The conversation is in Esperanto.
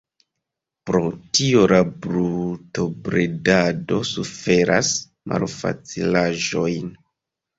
Pro tio la brutobredado suferas malfacilaĵojn.